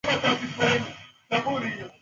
strauss alimweka mjakazi wao kwenye mashua